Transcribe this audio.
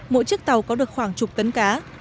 mỗi chiếc tàu có được khoảng chục tấn cá